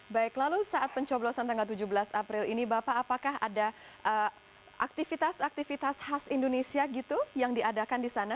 baik lalu saat pencoblosan tanggal tujuh belas april ini bapak apakah ada aktivitas aktivitas khas indonesia gitu yang diadakan di sana